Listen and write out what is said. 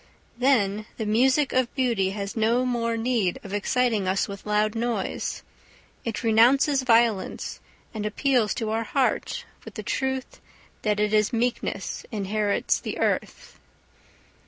Then the music of beauty has no more need of exciting us with loud noise; it renounces violence, and appeals to our heart with the truth that it is meekness inherits the earth.